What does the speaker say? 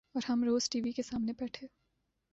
اور ہم روز ٹی وی کے سامنے بیٹھے